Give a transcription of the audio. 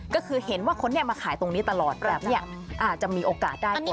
ก็คือเห็นว่าคนนี้มาขายตรงนี้ตลอดแบบนี้อาจจะมีโอกาสได้กว่า